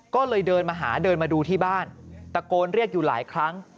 ก็เลยเดินมาหาเดินมาดูที่บ้านตะโกนเรียกอยู่หลายครั้ง